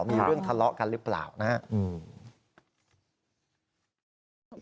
มีเรื่องทะเลาะกันหรือเปล่านะครับ